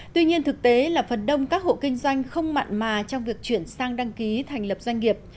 tuy nhiên thực tế là phần đông các hộ kinh doanh không mặn mà trong việc chuyển sang đăng ký thành lập doanh nghiệp